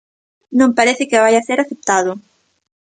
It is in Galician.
Non parece que vaia ser aceptado.